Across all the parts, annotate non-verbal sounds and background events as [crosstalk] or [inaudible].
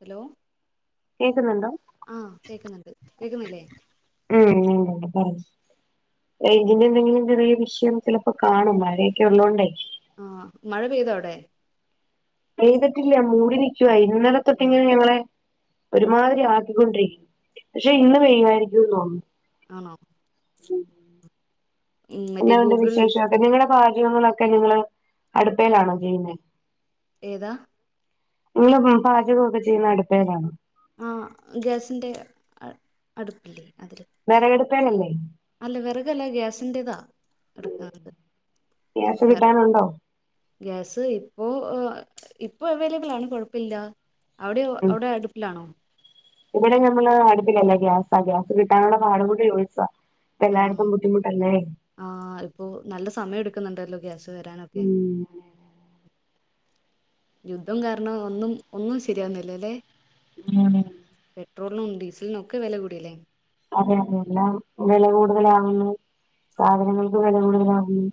Hello കേക്കുന്നുണ്ടോ ആഹ് കേക്ക്ന്ന്ണ്ട് കേക്ക്ന്നില്ലേ [unintelligible] റെയ്ഞ്ചിന്റെ എന്തെങ്കിലും ചെറിയ വിഷയം ചെലപ്പോ കാണും മഴയൊക്കെ ഉള്ളോണ്ടേ ആ മഴ പെയ്തോ അവിടെ പെയ്തിട്ടില്ല മൂടി നിക്കുവ ഇന്നലെ ആഹ് തൊട്ടിങ്ങനെ ഞങ്ങളെ ഒരുമാതിരി ആക്കിക്കൊണ്ടിരി പക്ഷെ ഇന്ന് പെയ്യുവായിരിക്കും തോന്നുന്നു ആണോ ഉം മറ്റേ എന്നാ ഉണ്ട് ഗൂഗിൾ വിശേഷോക്കെ നിങ്ങടെ പാചകങ്ങളൊക്കെ നിങ്ങള് അടുപ്പേലാണോ ചെയ്യുന്നേ ഏതാ നിങ്ങള് പാചകോക്കെ ചെയ്യുന്നെ അടുപ്പേലാണോ ആഹ് ഗ്യാസിന്റെ അ അടുപ്പില്ലേ അതില്. വിറകടുപ്പേലല്ലേ അല്ല വെറകല്ല ഗ്യാസിന്റെതാ [unintelligible] ഗ്യാസ് വെറ കിട്ടാനുണ്ടോ ഗ്യാസ് ഇപ്പോ ഒ ഇപ്പോ അവൈലബ്ൾ ആണ് കൊഴപ്പമില്ല അവിടെയോ ഉം അവിടെ അടുപ്പിലാണോ ഇവിടെ നമ്മള് അടുപ്പിലല്ല ഗ്യാസാ ഗ്യാസ് കിട്ടാനുള്ള പാടു കൊണ്ട് ചോദിച്ചതാ ഇപ്പം ആഹ് എല്ലായിടത്തും ബുദ്ധിമുട്ടല്ലേ ആഹ് ഇപ്പൊ നല്ല സമയം എടുക്കുന്നുണ്ടല്ലോ ഗ്യാസ് വരാനൊക്കെ. ഉം യുദ്ധം കാരണം ഒന്നും ഒന്നും ശെരിയാവുന്നില്ല ലെ ഉം പെട്രോൾനും ഡീസൽനും ഒക്കെ വില കൂടിലെ അതെയതെ എല്ലാം വില കൂടുതലാകുന്നു സാധനങ്ങൾക്ക് വില കൂടുതലാകുന്നു.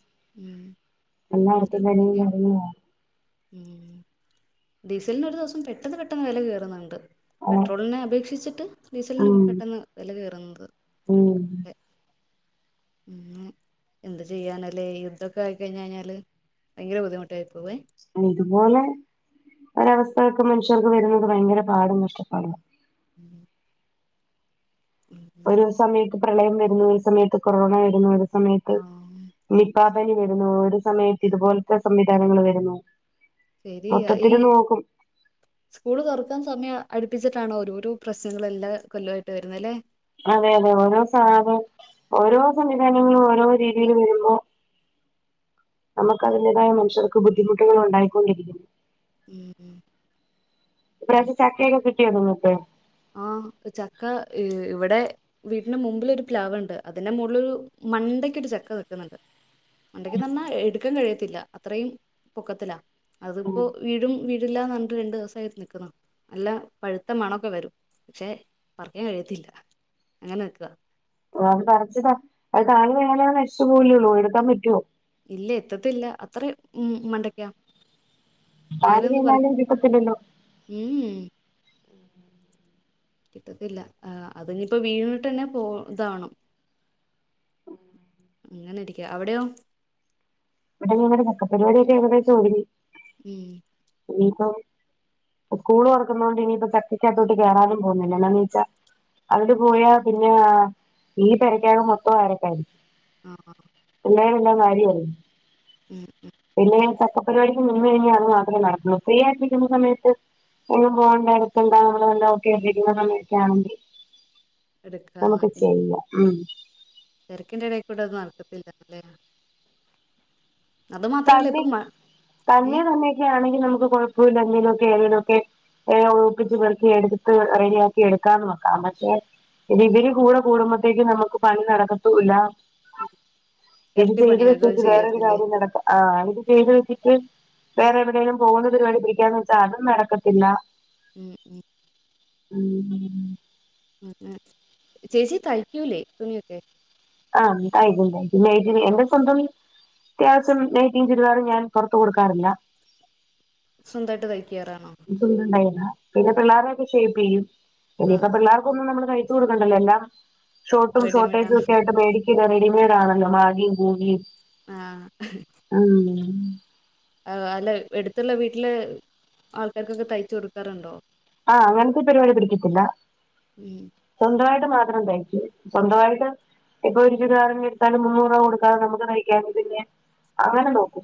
എല്ലാട്ത്തും [unintelligible] ഉ ഡീസൽന് ഒരു ദിവസം പെട്ടെന്ന് പെട്ടെന്ന് വില കേറുന്നുണ്ട്. അതെ പെട്രോളിനെ അപേക്ഷിച്ചിട്ട് ഡീസൽന് ഉം പെട്ടെന്ന് വില കേറുന്നത് ഉം ഉം എന്ത് ചെയ്യാനല്ലേ യുദ്ധൊക്കെ ആയി കയിഞ്ഞയിഞ്ഞാല് ഭയങ്കര ബുദ്ധിമുട്ടായി പോവേ ഇതുപോലെ ഒരവസ്ഥ ഒക്കെ മനുഷ്യർക്ക് വരുന്നത് ഭയങ്കര പാടും കഷ്ടപ്പാടുവാ ഉം ഉം ഒരു സമയത്ത് പ്രളയം വരുന്നു ഒര് സമയത്ത് കൊറോണ വരുന്നു ഒര് സമയ ആഹ് നിപാപനി വരുന്നു ഒരു സമയത്ത് ഇതുപോൽത്തെ സംവിധാനങ്ങള് വരുന്നു. ശരി യാ ഈ മൊത്തത്തില് നോക്കും സ്കൂള് തൊറക്കാൻ സമയം അടുപ്പിച്ചിട്ടാണോ പ്രശ്ണങ്ങള് എല്ലാ കൊല്ലായിട്ട് വെരുന്നെ ലെ അതെ അതെ ഓരോ സാധ ഓരോ സംവിധാനങ്ങളും ഓരോ രീതില് വരുമ്പോ നമക്ക് അതിന്റെതായ മനുഷ്യർക്ക് ബുദ്ധിമുട്ടുകൾ ഒണ്ടായിക്കൊണ്ടിരിക്കുന്നു ഉം ഇപ്രാവ്ശ്യം ചക്കയെക്കെ കിട്ടിയോ നിങ്ങക്ക് ആഹ് ഇക്ക് ചക്ക ഇവ് ഇവെടെ വീട്ട്ന്റെ മുമ്പില് ഒര് പ്ലാവ്ണ്ട് അതിന്റെ മോള്ളാെരു മണ്ടയ്ക്കൊരു ചക്ക നിക്ക്ന്ന്ണ്ട് ഉണ്ടെങ്കി നന്നായ് എട്ക്കാൻ കഴിയത്തില്ല അത്രയും പൊക്കത്തിലാ അത് ഉം ഇപ്പോ വീഴും വീഴില്ലാന്ന് പർണ് ട്ട് രണ്ട് ദിവസായി നിക്ക്ണു നല്ല പഴ്ത്ത മണൊക്കെ വെരും പക്ഷെ പറിക്കാൻ കഴിയത്തില്ല അങ്ങനെ നിക്കാ ഓഹ് അത് പറച്ച് താ അത് താഴെ വീണാലത് നിശിച്ച് പോവെല്ലെ ഉള്ളൂ ഇട്ക്കാൻ പറ്റോ ഇല്ല എത്തത്തില്ല അത്രിം ഉം മണ്ടെക്കാ താഴെ വീണാലും കിട്ടത്തില്ലല്ലോ ഉംഉം കിട്ടത്തില്ല ആ അത് ഇഞ്ഞ്പ്പോ വീണ് ട്ടെന്നെ പോവും ഇതാവണം അങ്ങനെ ഇരിക്കാ അവെടെയോ ഇവെടെ ഞങ്ങടെ ചക്ക പരിവാടി ഒക്കെ ഏകദേശം ഒരുങ്ങി ഉം യുനിഫോം ഉക്കൂള് തൊറക്ക്ന്നതാേണ്ട് ഇനിയിപ്പാെ ചക്കക്ക് അകത്തോട്ട് കേറാനും പോവുന്നില്ല ഇന്ന പിന്നെ ഈച്ച അങ്ങട്ട് പോയാ പിന്നെ ഈ പെരക്കകത്ത് മൊത്തം അവരൊക്കെയായിരിക്കും ആഹ് പിള്ളേര് എല്ലാം വാരി എറിയും ഉം ഉം പിന്നെ ചക്ക പരിവാടിക്ക് നിന്ന് കെഴിഞ്ഞാൽ അത് മാത്രേ നടക്കൂ ഫ്രീയായിട്ട് ഇരിക്ക്ന്ന സമയത്ത് എന്നും പോവ്ണ്ടാ അട്ത്ത് ഇണ്ടാവണമല്ലോ ഒക്കേ [unintelligible] സമയത്താണെങ്കി എടുക്കാന്ന് നമക്ക് ചെയ്യാ ഉം തെരക്കിന്റെ എടേക്കൂടെ അത് നടക്കത്തില്ല അല്ലേ അത് മാത്രവല്ല ഇപ്പം മഴ ഏഹ് വീട്ടിലാണെങ്കി നമുക്ക് കാെഴപ്പവുല്ല ഇങ്ങനെ ഒക്കെ ഏണ്ഒക്കെ ഏ ഒഴുപ്പിച്ച് പെറ്ക്കി എട്ത്ത് റെഡിയാക്കി എട്ക്കാൻ നോക്കാം പക്ഷെ എടീ ഇവെര് കൂടെ കൂടുമ്പഴ്ത്തേക്കും നമക്ക് പണി നടക്കത്തൂല്ല എടി ചെയ്ത് ഇരട്ടിപ്പണിയാകുകയും വെച്ചാേട്ത്ത് വേറാെര് ചെയ്യത്തില്ലേ കാര്യം നടക്കാ ആഹ് ഇത് ചെയ്ത് വെച്ചിട്ട് വേറെ എവെടേലും പോവുന്ന പരിവുടി പിടിക്യാകാന്ന് വെച്ചാ അതും നടക്കത്തില്ല ഉം ഉം ഉം ഉം ഏഹ് ചേച്ചി തയ്ക്കൂലെ തുണിയൊക്കെ ആഹ് തയ്ക്കും തയ്ക്കും നൈറ്റി ഒക്കെ എന്റെസ്വന്തം വി അത്യാശ്യം നൈറ്റിം ചുരിദാറും ഞാൻ പാെറത്ത് കൊട്ക്കാറില്ല സ്വന്തായിട്ട് തയ്ക്കാറാണോ ഇക്ക് വീടുണ്ടായിരുന്നു പിന്നെ പിള്ളേരൊക്കെ ഷെെപ്പിയ്യും ആ ഇതിപ്പൊ പിള്ളേർ ഇക്കൊന്നും നമ്മള് കഴിച്ച്കൊട്ക്കണ്ടല്ലോ എല്ലാം ഷോട്ടും റെഡിമെയ്ഡ് ഷോർട്ടേജും ആണ് ഒക്കെആയിട്ട് പേടി [unintelligible] റെഡിമേഡ് ആണല്ലോ മാഗിം കൂഗിം ആഹ് അവ ആഹ് അല്ല എട്ത്ത്ള്ള വീട്ടില് ആൾക്കാര്കാെക്കെ തയ്ച്ചു കൊട്ക്കാറ് ഇണ്ടോ ആഹ് അങ്ങൻത്തൊര് പരിവാടി ഒക്കെ ഇട്ത്തിട്ടില്ല ഉം സ്വന്തമായിട്ട് മാത്രം തൈയ്ക്കും സ്വന്തമായിട്ട് ഇപ്പൊ ഒരു ചുരിദാറ് ഇങ്ങെടുത്താലും മുന്നൂറു രൂപ കൊടുക്കാതെ നമ്മക്ക് തൈക്കാങ്കി പിന്നെ അങ്ങനെ നോക്കും.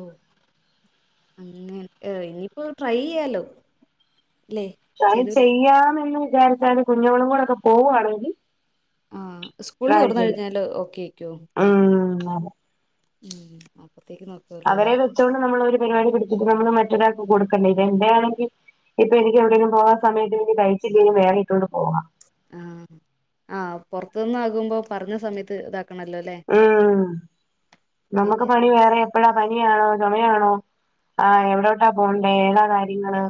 ഓഹ് അങ്ങൻ എഹ് ഇനിയിപ്പോ ട്രൈ ചെയ്യാലോ ല്ലേ? ട്രൈ ചെയ്യാമെന്ന് വിചാരിച്ചാല് കുഞ്ഞോളും കൂടെ ഒക്കെ പോകുവാണെങ്കിൽ ആഹ് സ്കൂള് തൊറന്ന് കഴിഞ്ഞാല് ഓക്കെ ആയിക്കോ? ഉം അതെ ഉം അപ്പത്തേക്ക് നോക് അവരെ വെച്ചോണ്ട് നമ്മളൊരു പരിപാടി പിടിച്ചിട്ട് നമ്മള് മറ്റൊരാക്ക് കൊടുക്കണ്ടേ ഇത് എൻ്റെയാണെങ്കി ഇപ്പൊ എനിക്ക് എവിടേലും പോകാൻ സമയത്ത് എനി തൈച്ചില്ലേലും വേറെ ഇട്ടോണ്ട് പോവാം ആഹ് ആഹ് പൊറത്ത് നിന്നാകുമ്പോ പറഞ്ഞ സമയത്ത് ഇതാക്കണല്ലോ അല്ലേ ആഹ് നമ്മക്ക് ശരിയാ പണി വേറെ എപ്പഴാ പനിയണോ ചൊമയാണോ ആഹ് എവിടോട്ടാ പോണ്ടേ ഏതാ കാര്യങ്ങള്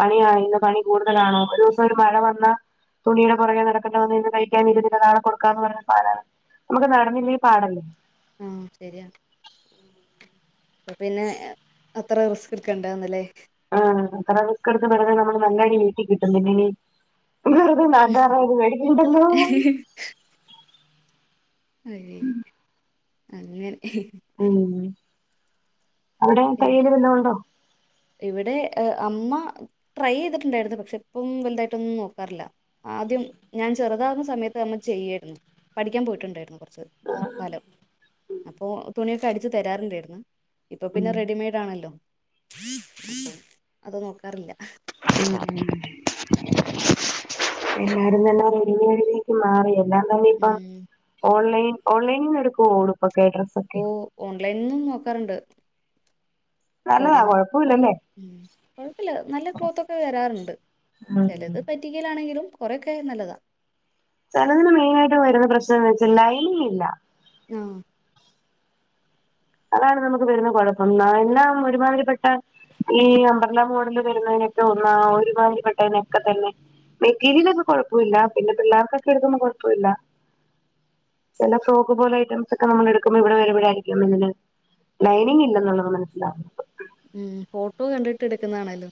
പണിയാ ഇന്ന് പണി കൂടുതലാണോ ഒരൂസം ഒരു മഴ വന്നാ തുണീടെ പൊറകെ നടക്കണ്ട വന്ന് കഴിഞ്ഞാ തൈക്കാൻ ഇരുന്നില്ലാ നാളെ കൊടുക്കാന്ന് പറയുന്ന [unintelligible] നമ്മക്ക് നട [unintelligible] പാടല്ലേ ആഹ് ശരിയാ അപ്പ പിന്നെ ഏഹ് അത്ര റിസ്ക് എടുക്കണ്ടെ വന്ന്ല്ലേ ആഹ് അത്ര റിസ്‌ക് എടുത്ത് വെറുതെ നമ്മള് നല്ല അടി വീട്ടി കിട്ടും പിന്നെ ഇനി വെറ്തെ നാട്ട്കാരുടെ കൈയ്യിന്ന് മേടിക്കണ്ടല്ലോ അത് ശെരി അങ്ങനെ ഉം അവിടെ പിന്നെ തൈയ്യല് വല്ലോണ്ടോ? ഇവിടെ ഏഹ് അമ്മ ട്രൈ ചെയ്തിട്ടുണ്ടായിരുന്നു പക്ഷെ ഇപ്പം വെലുതായിട്ടൊന്നും നോക്കാറില്ലാ ആദ്യം ഞാൻ ചെറുതാവ്ന്ന സമയത്ത് അമ്മ ചെയ്യായിരുന്നു പഠിക്കാൻ പോയിട്ടുണ്ടായിരുന്നു കൊർ ച്ച് ഏഹ് കാലം അപ്പൊ തുണിയൊക്കെ അടിച്ച് തരാറുണ്ടായിരുന്നു ഇപ്പൊ പിന്നെ ഉം റെഡിമെയ്ഡ് ആണല്ലോ അപ്പം അത് നോക്കാറില്ലാ ഉം എല്ലാരും തന്നെ റെഡിമെയ്ഡിലേക്ക് മാറിയോ? എല്ലാം തന്നെ ഇപ്പം ഉം ഓൺലൈൻ ഓൺലൈനീന്ന് എടുക്കുവോ ഉടുപ്പൊക്കെ ഡ്രസ്സൊക്കെ? ഓ ഓൺലൈനിന്നും നോക്കാറുണ്ട് നല്ലതാ റെഡിമെയ്ഡ് കൊഴപ്പയില്ലാ ഉം കൊഴപ്പയില്ലാ നല്ല ക്ലോത്തൊക്കെ വെരാറ്ണ്ട് ഉം ചെലത് പറ്റ് റ്റിക്കലാണെങ്കിലും കൊറെയൊക്കെ നല്ലതാ ചെലതിന് മെയിനായിട്ട് വരുന്ന പ്രശ്നന്ന് വെച്ചാ ലൈനിങ് ഇല്ലാ ആഹ് അതാണ് നമ്മക്ക് വരുന്ന കൊഴപ്പം ന എല്ലാം ഒരുമാതിരിപ്പെട്ട ഈ അമ്പ്രല്ലാ മോഡലില് വരുന്നതിനൊക്കെ ഒന്നാ ഒരു മാതിരി പെട്ടതിനൊക്കെ തന്നെ മെറ്റീരിയല് ഒക്കെ കൊഴപ്പൊയില്ലാ പിന്നെ പിള്ളേർക്കൊക്കെ എടുക്കുമ്പം കൊഴപ്പവില്ലാ ചെല ഫ്രോക്ക് പോലെ ഐറ്റംസ് ഒക്കെ നമ്മള് എടുക്കുമ്പോ ഇവിടെ വരുമ്പഴായിരിക്കും [unintelligible] ലൈനിങ് ഇല്ലെന്നുള്ളത് മനസ്സിലാവുന്നത്. ഉം ഫോട്ടോ കണ്ടിട്ട് എടുക്കുന്നതാണേലും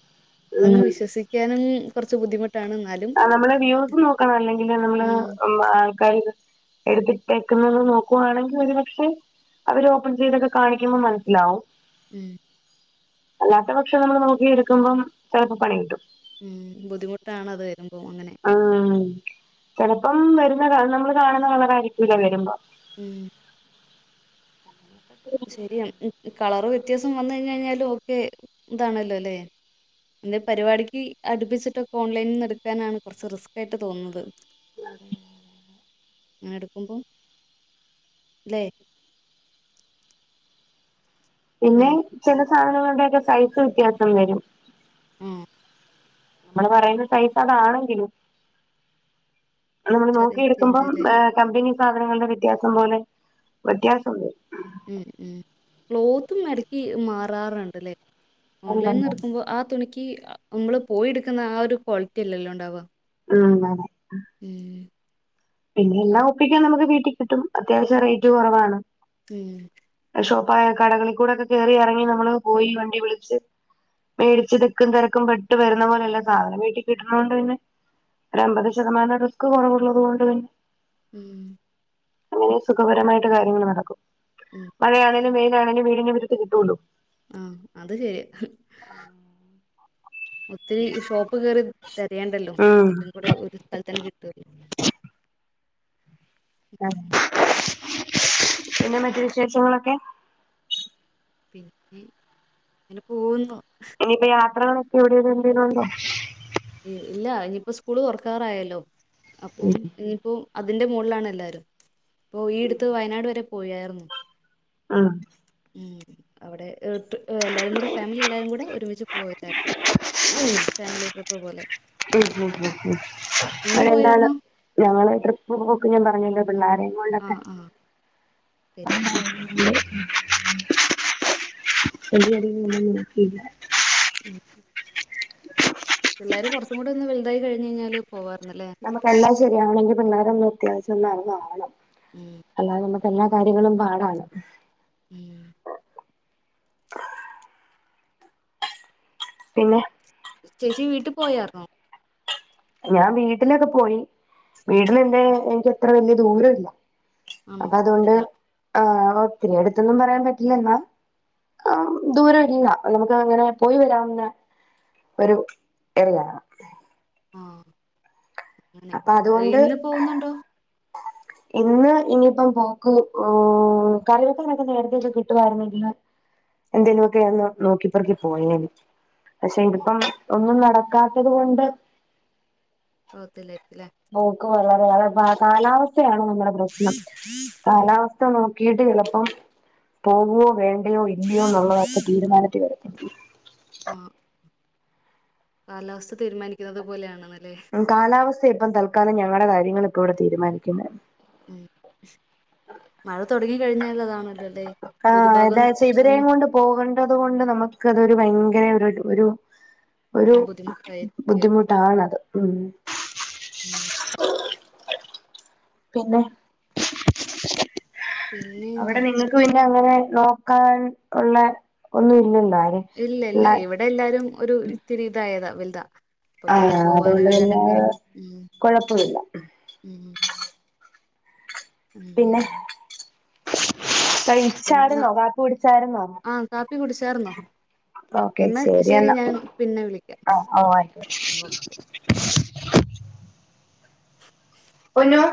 അതങ്ങ് ഉം. വിശ്വസിക്കാനും കൊറച്ച് ബുദ്ധിമുട്ടാണ് ഇന്നാലും ആഹ് നമ്മള് വ്യൂസും നോക്കണം അല്ലെങ്കില് നമ്മള് ഉം ആൾക്കാര് എടുത്തിട്ടേക്കുന്നതും നോക്കുവാണെങ്കി ഒരു പക്ഷെ അവര് ഓപ്പൺ ചെയ്തൊക്കെ കാണിക്കുമ്പോ മനസ്സിലാവും. ഉം അല്ലാത്ത പക്ഷം നമ്മള് നോക്കി എടുക്കുമ്പം ചെലപ്പോ പണി കിട്ടും ഉം ബുദ്ധിമുട്ടാണ് അത് വരുമ്പോ അങ്ങനെ ആഹ് ചിലപ്പം വരുന്ന നമ്മള് കാണുന്ന കളറായിരിക്കില്ല വരുമ്പോ ഉം ശരിയാ കളർ വ്യത്യാസം വന്ന് കഴിഞ്ഞ് കഴിഞ്ഞാലും ഓക്കെ ഇതാണല്ലോ അല്ലേ എന്തേലും പരിപാടിക്ക് അടുപ്പിച്ചിട്ടൊക്കെ ഓൺലൈനിൽ നിന്ന് എടുക്കാനാണ് കുറച്ച് റിസ്ക് ആയിട്ട് തോന്നുന്നത് ആഹ് എടുക്കുമ്പോ ല്ലേ പിന്നെ ഹലോ ചില സാധനങ്ങളുടെയൊക്കെ സൈസ് വ്യത്യാസം വരും ആഹ് നമ്മള് പറയുന്ന സൈസ് അതാണെങ്കിലും അത് നമ്മള് ചെറിയ ചേഞ്ച് നോക്കിയെടുക്കുമ്പം അല്ലേ ഏഹ് കമ്പനി സാധനങ്ങളുടെ വ്യത്യാസം പോലെ വ്യത്യാസം വരും മ്മ് മ്മ് ക്ലോത്തും എടയ്ക്ക് മാറാറുണ്ടല്ലേ ഓൺലൈനിൽ നിന്ന് എടുക്കുമ്പോ ആ തുണിക്ക് നമ്മള് പോയി എടുക്കുന്ന ആ ഒരു ക്വാളിറ്റി അല്ലല്ലോ ഉണ്ടാവാ ആണോ മ്മ് പിന്നെ എല്ലാം ഒപ്പിക്കാൻ നമുക്ക് വീട്ടിൽ കിട്ടും അത്യാവശ്യം റേറ്റ് കുറവാണ് മ്മ് ഷോപ്പായ കടകളിൽ കൂടൊക്കെ കയറി ഇറങ്ങി നമ്മള് പോയി വണ്ടി വിളിച്ച് മേടിച്ച് തിക്കും തിരക്കും പെട്ട് വരുന്ന പോലല്ല സാധനം വീട്ടിൽ കിട്ടുന്ന കൊണ്ട് പിന്നെ ഒരു അമ്പത് ശതമാനം റിസ്ക്ക് കുറവുള്ളത് കൊണ്ട് പിന്നെ ഉം സുഖപരമായിട്ട് കാര്യങ്ങൾ നടക്കും ഉം മഴയാണെങ്കലും വെയിലാണെങ്കിലും വീടിന് മീറ്റത്ത് കിട്ടോലോ ആഹ് അത് ശരിയാ ഒത്തിരി ഷോപ്പ് കേറി തരേണ്ടല്ലോ ഉം എല്ലം കൂടെ ഒരു സ്ഥലത്തന്നെ കിട്ടല്ലോ ആഹ് പിന്നെ മറ്റു വിശേഷങ്ങളൊക്കെ പിന്നെ അങ്ങനെ പോവുന്നു ഇനിയിപ്പ യാത്രകളൊക്കെ എവിടെലും എന്തേലും ഉണ്ടോ ഇല്ല ഇനിയിപ്പോ സ്കൂള് തുറക്കാറായല്ലോ അപ്പം ഇനിയിപ്പോ അതിന്റെ മോളിലാണ് എല്ലാരും ഇപ്പൊ ഈ അടുത്ത് വയനാട് വരെ പോയാരുന്നു ആഹ് ഉം അവിടെ എല്ലാരും കൂടെ ഫാമിലി എല്ലാരും കൂടെ ഒരുമിച്ച് പോയതാരുന്നു ഫാമിലി ട്രിപ്പ് പോലെ ഉം ഉം ഉം അ നിങ്ങള് [unintelligible] എന്താണ് പോയായിരുന്നോ ഞങ്ങള് ട്രിപ്പ് പോക്ക് ഞാൻ പറഞ്ഞല്ലോ പിള്ളേരെ ആഹ് ആഹ് ശരിയാ [unintelligible] ഉം. പിള്ളാര് കൊർച് ച്ചും കൂടെ ഒന്ന് വലുതായി കഴിഞ്ഞഴിഞ്ഞാല് പോവാറുന്നല്ലേ നമുക്കെല്ലാം ശരിയാണെങ്കിൽ പിള്ളേരൊന്ന് അത്യാവശം അറിവാവണം ഉം അല്ലാതെ നമുക്ക് എല്ലാ കാര്യങ്ങളും പാടാണ് ഉം. പിന്നെ ചേച്ചി വീട്ടിൽ പോയാരുന്നോ ഞാൻ വീട്ടിലൊക്കെ പോയി വീട്ടിന് എന്റെ എനിക്ക് അത്ര വല്യ ദൂര ഇല്ല ആണോ അപ്പതുകൊണ്ട് അടുത്താണ് ആ ഒത്തിരി അടുത്തൊന്നും പറയാൻ പറ്റില്ലെന്നാ ആ ദൂരം ഇല്ല. നമുക്ക്ങ്ങനെ പോയി വരാവുന്ന ഒരു [inaudible] റിയാണ് ആഹ് അങ്ങനെ അപ്പൊ അതുകൊണ്ട് ഇന്ന് പോവുന്നുണ്ടോ ഇന്ന് ഇനിയിപ്പം പോക്ക് കറിവക്കാനൊക്കെ നേരത്തേക്ക് കിട്ടുവായിരുന്നെങ്കില് എന്തേലുമൊക്കെയന്ന് നോക്കിപ്പറക്കിപോയേനെ പക്ഷെ ഇതിപ്പം ഒന്നും നടക്കാത്തത് കൊണ്ട് പോകത്തില്ലായിരിക്കുംല്ലേ പോക്ക് വളരെ അ കാലാവസ്ഥയാണ് നമ്മുടെ പ്രശ്നം ഉം കാലാവസ്ഥ സ്ഥ നോക്കിയിട്ട് ചിലപ്പം പോവുവോ വേണ്ടയോ ഇല്ലയോ ന്നുള്ളതൊക്കെ തീരുമാനത്തി വരും [inaudible] ആഹ് കാലാവസ്ഥ തീരുമാനിക്കുന്നത് പോലെയാണെന്നല്ലേ കാലാവസ്ഥയ ഇപ്പം തൽക്കാലം ഞങ്ങടെ കാര്യങ്ങള് ഇപ്പ ഇവിടെ തീരുമാനിക്കുന്ന ഉം മഴ തൊടങ്ങി കഴിഞ്ഞാൽ അതാണല്ലോ അല്ലേ ആഹ് ഭൂരിഭാഗം എന്നാച്ച ഇവരെയും സമയം കൊണ്ട് പോകണ്ടത് കൊണ്ട് നമുക്ക് അതൊരു ഭയങ്കര ഒരു ഒരു ഒരു ബുദ്ധിമുട്ടായിരിക്കും ബുദ്ധിമുട്ടാണത്. ഉം. ഉം. പിന്നെ പിന്നെ എന്താ അവിടെ നിങ്ങക് പിന്നെങ്ങനെ നോക്കാൻ ഉള്ള ഒന്നും ഇല്ലല്ലോ ആര് ഇല്ല ല്ല ഇവിടെഎല്ലാരും ഒരു ഇത്തിരി ഇതായതാ വൽതാ. അപ്പൊ പിന്നെ ആഹ് പോവാനും അതുകൊണ്ട് പിന്നെ വരാനൊക്കെ ഉം' കൊഴപ്പമില്ല ഉം. അങ്ങനെ പിന്നെ കഴി എന്നാ ച്ചാരുന്നോ കാപ്പി കുടിച്ചായിരുന്നോ ആഹ് കാപ്പി കുടിച്ചാർന്നോ ഓക്കെ എന്നാ ശരി ശരിഎന്നാ ഞാൻ പിന്നെ വിളിക്കാം ഓ ഓ ആയിക്കോട്ടെ പൊന്നു